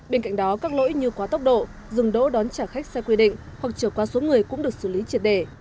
bên cạnh đó các lỗi như quá tốc độ dừng đỗ đón trả khách sai quy định hoặc trở qua số người cũng được xử lý triệt đề